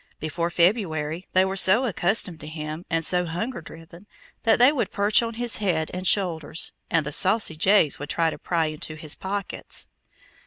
Before February they were so accustomed to him, and so hunger driven, that they would perch on his head and shoulders, and the saucy jays would try to pry into his pockets.